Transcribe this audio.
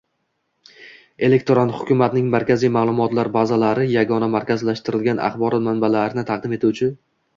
Elektron hukumatning markaziy ma’lumotlar bazalari yagona markazlashtirilgan axborot manbalarini taqdim etuvchi